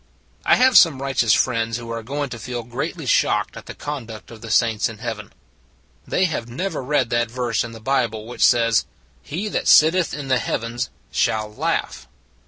I have some righteous friends who are going to feel greatly shocked at the con duct of the saints in Heaven. They have never read that verse in the Bible which says :" He that sitteth in the heavens shall laugh."